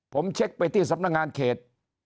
ผมเช็คไปที่สำนักงานเขต